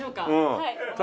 はい。